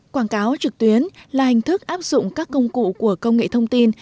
quảng cáo trực tuyến là hình thức áp dụng các công cụ của công nghệ thông tin